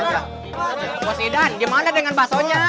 mas idan gimana dengan baksonya